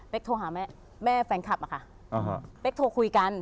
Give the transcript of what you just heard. เป๊กโทรหาแม่แฟนขับมาโทรคุยกัน